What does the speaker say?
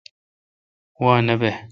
وا نہ بہ۔